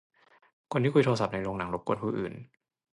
คนที่คุยโทรศัพท์ในโรงหนังรบกวนผู้อื่น